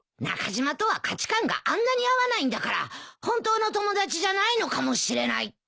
中島とは価値観があんなに合わないんだから本当の友達じゃないのかもしれない。